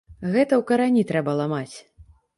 Гэта ў карані трэба ламаць.